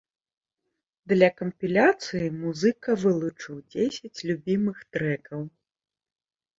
Для кампіляцыі музыка вылучыў дзесяць любімых трэкаў.